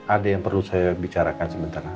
ada yang perlu saya bicarakan sebentar